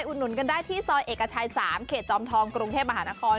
หนุนกันได้ที่ซอยเอกชัย๓เขตจอมทองกรุงเทพมหานคร